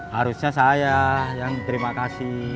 harusnya saya yang terima kasih